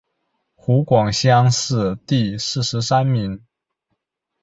湖广乡试第四十三名。